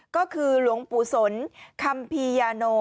ก็คือหลวงปุศลคัมพียาโน